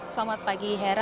selamat pagi hera